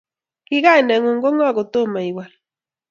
Ki kainengung ko ngo kotomo iwal?